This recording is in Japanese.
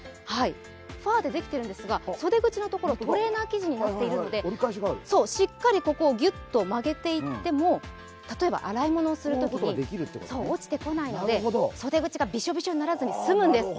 ファーでできているんですが袖口のところはトレーナー生地になっているのでしっかり、ここをギュと曲げていっても、例えば洗い物をするときなど落ちてこないので、袖口がびしょびしょにならずに済むんです。